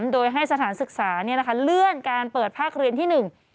โดยให้สถานศึกษาเลื่อนการเปิดภาคเรียนที่หนึ่ง